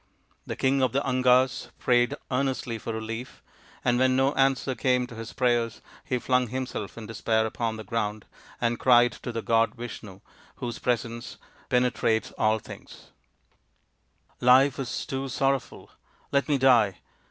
The king of the Angas prayed earnestly for relief, and when no answer came to his prayers he flung himself in despair upon the ground, and cried to the god Vishnu, whose presence penetrates all things :" Life is too sorrowful ; let me die.